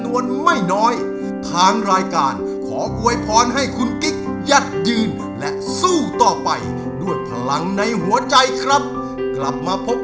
วันนี้สวัสดีครับ